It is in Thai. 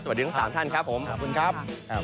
สวัสดีทั้ง๓ท่านครับผมขอบคุณครับ